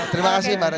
terima kasih banyak